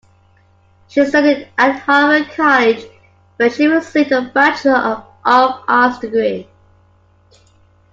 She studied at Harvard College where she received a bachelor of arts degree.